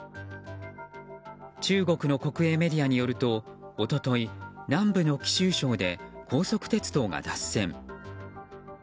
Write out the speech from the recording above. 中国の国営メディアによると一昨日、南部の貴州省で高速鉄道が脱線。